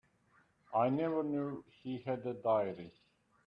I never knew he had a diary.